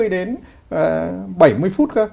đến bảy mươi phút